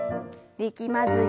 力まずに。